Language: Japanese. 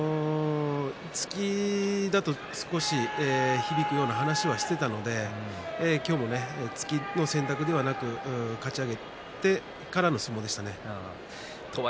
突き放すと少し響くような話はしていたので今日も突きの選択ではなくかち上げてからの相撲でした。